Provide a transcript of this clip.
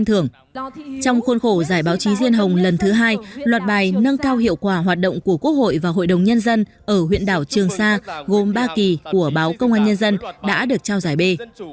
trong khuôn khổ giải báo chí diên hồng lần thứ hai luật bài nâng cao hiệu quả hoạt động của quốc hội và hội đồng nhân dân ở huyện đảo trường sa gồm ba kỳ của báo công an nhân dân đã được trao giải b